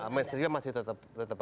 mainstreamnya masih tetap